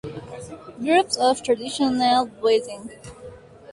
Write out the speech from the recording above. Groups of Traditional Buildings